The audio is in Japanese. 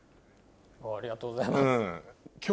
ありがとうございます。